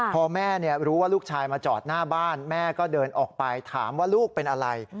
พอแม่รู้ว่าลูกชายมาจอดหน้าบ้านแม่ก็เดินออกไปถามว่าลูกเป็นอะไร